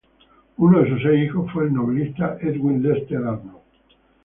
Uno de sus seis hijos fue el novelista Edwin Lester Arnold.